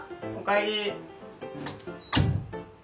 おかえり。